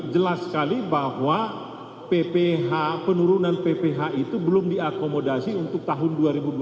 jelas sekali bahwa pph penurunan pph itu belum diakomodasi untuk tahun dua ribu dua puluh